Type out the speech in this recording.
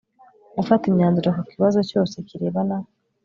Gufata imyanzuro ku kibazo cyose kirebana